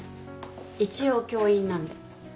一応教員なんで。